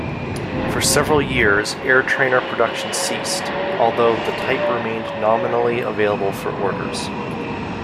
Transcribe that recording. For several years Airtrainer production ceased, although the type remained nominally available for orders.